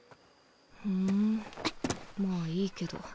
ふんまぁいいけど。